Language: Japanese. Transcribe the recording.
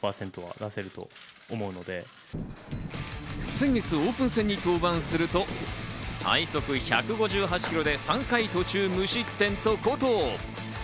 先月、オープン戦に登板すると、最速１５８キロで３回途中、無失点と好投。